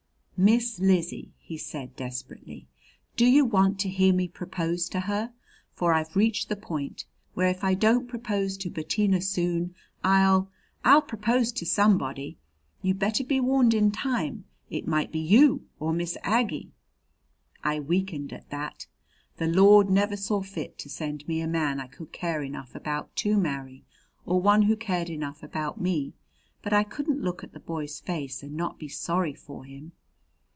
"Miss Lizzie," he said desperately, "do you want to hear me propose to her? For I've reached the point where if I don't propose to Bettina soon, I'll I'll propose to somebody. You'd better be warned in time. It might be you or Miss Aggie." I weakened at that. The Lord never saw fit to send me a man I could care enough about to marry, or one who cared enough about me, but I couldn't look at the boy's face and not be sorry for him.